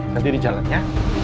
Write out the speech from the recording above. sampai di jalan ya